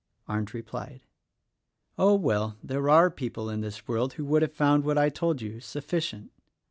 Arndt replied, "Oh, well, there are people in this world who would have found what I have told you, sufficient.